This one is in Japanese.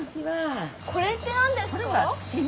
これってなんですか？